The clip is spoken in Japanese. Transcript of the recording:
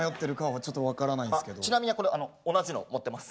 ちなみにこれ同じの持ってます。